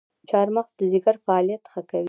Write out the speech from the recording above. چارمغز د ځیګر فعالیت ښه کوي.